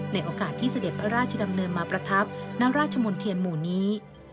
ในโอกาสที่เสด็จพระราชดำเนินมาประทับณราชมนเทียนหมู่นี้